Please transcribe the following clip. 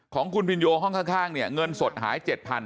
ของคุณพินโยห้องข้างเนี่ยเงินสดหาย๗๐๐